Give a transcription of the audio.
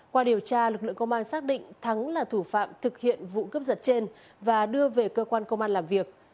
qua điều tra lực lượng công an xác định thắng là thủ phạm thực hiện vụ cướp giật trên và đưa về cơ quan công an làm việc